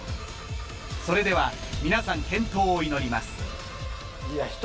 それでは皆さん健闘を祈りますいや